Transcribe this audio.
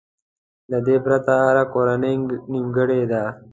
له دې پرته هره کورنۍ نيمګړې ده.